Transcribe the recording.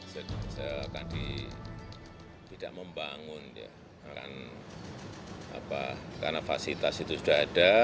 saya tadi tidak membangun karena fasilitas itu sudah ada